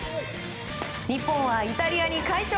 日本はイタリアに快勝。